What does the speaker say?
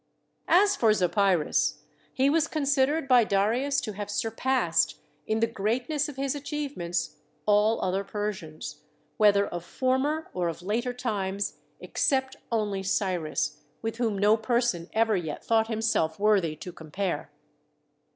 64 THE SEVEN WONDERS As for Zopyrus he was considered by Darius to have surpassed, in the greatness of his achievements, all other Persians, whether of former or of later times, except only Cyrus with whom no person ever yet thought himself worthy to compare.